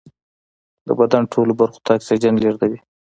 د بدن ټولو برخو ته اکسیجن لېږدوي